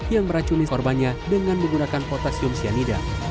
yang meracuni korbannya dengan menggunakan potasium cyanida